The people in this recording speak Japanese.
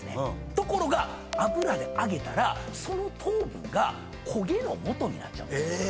ところが油で揚げたらその糖分が焦げのもとになっちゃうんです。